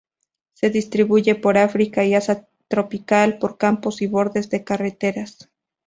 Se distribuye por África y Asia tropical por campos y bordes de carreteras.